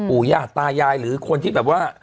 ญาติตายายหรือคนที่แบบว่า